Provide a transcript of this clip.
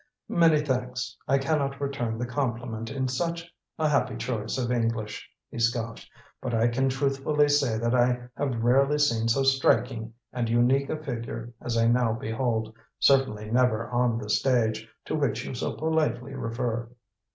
"Many thanks. I can not return the compliment in such a happy choice of English," he scoffed, "but I can truthfully say that I have rarely seen so striking and unique a figure as I now behold; certainly never on the stage, to which you so politely refer."